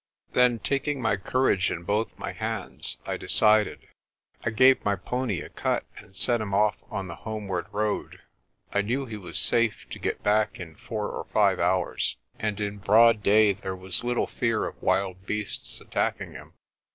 Then, taking my courage in both my hands, I decided. I gave my pony a cut, and set him off on the homeward road. I knew he was safe to get back in four or five hours, MY JOURNEY TO THE WINTER VELD 61 and in broad day there was little fear of wild beasts attack ing him.